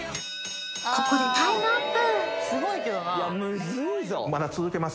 ここでタイムアップ